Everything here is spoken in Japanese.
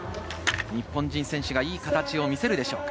日本人選手がいい形を見せるでしょうか。